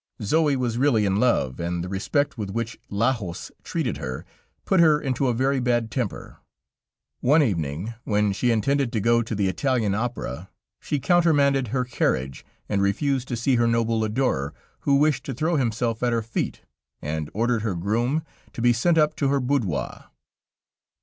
Zoë was really in love, and the respect with which Lajos treated her, put her into a very bad temper. One evening, when she intended to go to the Italian Opera, she countermanded her carriage, and refused to see her noble adorer, who wished to throw himself at her feet, and ordered her groom to be sent up to her boudoir.